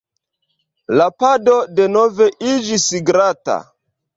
La pado denove iĝis glata.